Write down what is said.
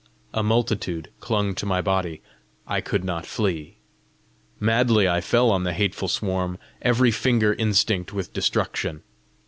A multitude clung to my body; I could not flee. Madly I fell on the hateful swarm, every finger instinct with destruction.